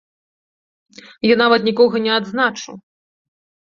Я нават нікога не адзначу.